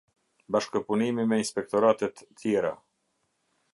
Bashkëpunimi me inspektoratet tjera.